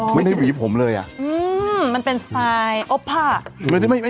ไม่ได้หวีผมเลยอ่ะอืมมันเป็นสไตล์อบพ่อไม่ได้ไม่